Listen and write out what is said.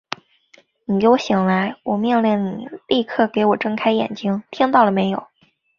你给我醒来！我命令你立刻给我睁开眼睛，听到了没有！